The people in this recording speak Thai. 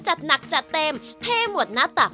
จัดหนักจัดเต็มเท่หมดหน้าตัก